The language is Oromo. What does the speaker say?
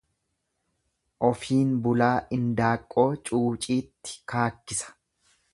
Ofiin bulaa indaaqqoo cuuciitti kaakkisa.